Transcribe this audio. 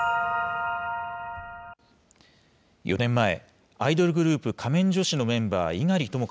４年前、アイドルグループ、仮面女子のメンバー、猪狩とも